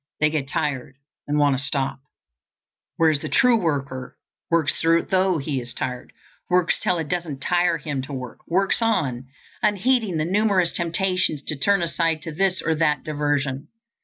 They get tired, and want to stop; whereas the true worker works though he is tired works till it doesn't tire him to work; works on, unheeding the numerous temptations to turn aside to this or that diversion.